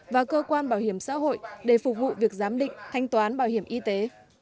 và cơ quan bảo hiểm xã hội để phục vụ việc giám định thanh toán bảo hiểm y tế